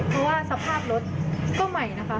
เพราะว่าสภาพรถก็ใหม่นะคะ